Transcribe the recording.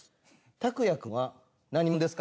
たくやくんは何者ですか？